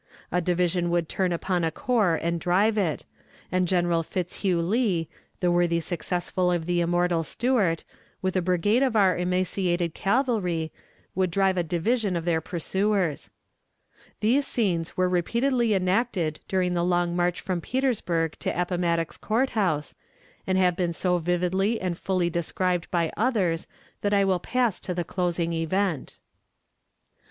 A division would turn upon a corps and drive it; and General Fitzhugh Lee, the worthy successor of the immortal Stuart, with a brigade of our emaciated cavalry, would drive a division of their pursuers. These scenes were repeatedly enacted during the long march from Petersburg to Appomattox Court House, and have been so vividly and fully described by others that I will pass to the closing event.